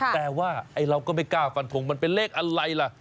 แต่ว่าเราก็ไม่กล้าฟันทงมันเป็นเลขอะไรล่ะ